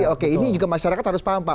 oke ini juga masyarakat harus paham pak